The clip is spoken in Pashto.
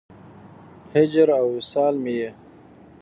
هجر او وصال مې یې